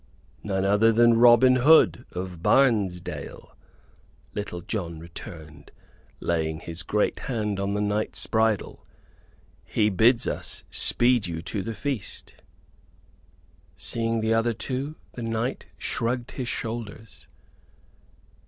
"None other than Robin Hood, of Barnesdale," Little John returned, laying his great hand on the knight's bridle. "He bids us speed you to the feast." Seeing the other two, the knight shrugged his shoulders.